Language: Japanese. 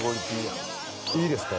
いいですか？